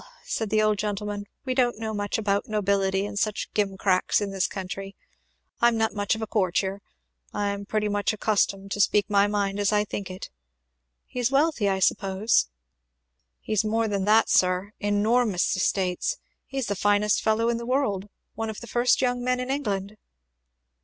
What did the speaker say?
said the old gentleman, "we don't know much about nobility and such gimcracks in this country. I'm not much of a courtier. I am pretty much accustomed to speak my mind as I think it. He's wealthy, I suppose?" "He's more than that, sir. Enormous estates! He's the finest fellow in the world one of the first young men in England."